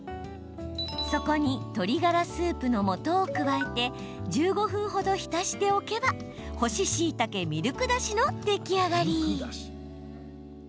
そこに鶏ガラスープのもとを加えて１５分ほど浸しておけば干ししいたけミルクだしの出来上がり。